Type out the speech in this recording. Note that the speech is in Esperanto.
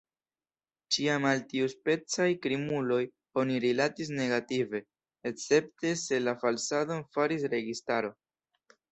Ĉiam al tiuspecaj krimuloj oni rilatis negative, escepte se la falsadon faris registaro.